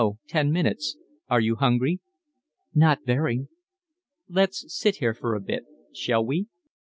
Ten minutes. Are you hungry?" "Not very." "Let's sit here for a bit, shall we?"